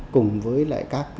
cùng với lại các